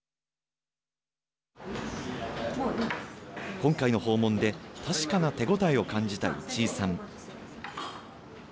今回の訪問で確かな手応えを感じた市居さん。